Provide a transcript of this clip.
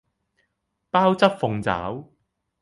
鮑汁鳳爪